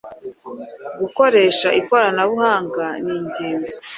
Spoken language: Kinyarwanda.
Gukoresha ikoranabuhanga ni ingenzi.